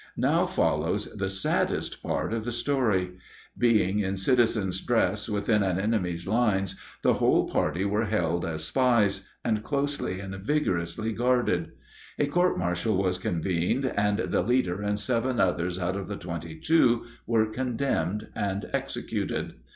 Now follows the saddest part of the story. Being in citizens' dress within an enemy's lines, the whole party were held as spies, and closely and vigorously guarded. A court martial was convened, and the leader and seven others out of the twenty two were condemned and executed.